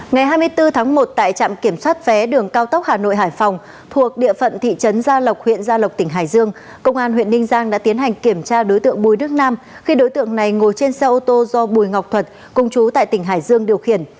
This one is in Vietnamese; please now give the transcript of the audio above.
ngày hai mươi bốn tháng một tại trạm kiểm soát vé đường cao tốc hà nội hải phòng thuộc địa phận thị trấn gia lộc huyện gia lộc tỉnh hải dương công an huyện ninh giang đã tiến hành kiểm tra đối tượng bùi đức nam khi đối tượng này ngồi trên xe ô tô do bùi ngọc thuật cùng chú tại tỉnh hải dương điều khiển